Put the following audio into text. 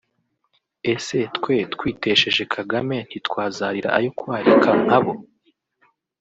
Ese twe twitesheje Kagame ntitwazarira ayo kwarika nkabo